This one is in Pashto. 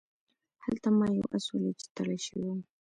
هلته ما یو آس ولید چې تړل شوی و.